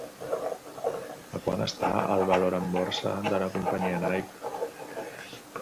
A quant està el valor en borsa de la companyia Nike?